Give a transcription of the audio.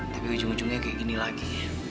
tapi ujung ujungnya kayak gini lagi